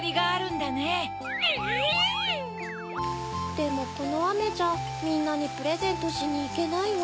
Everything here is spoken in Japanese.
・でもこのあめじゃみんなにプレゼントしにいけないわ・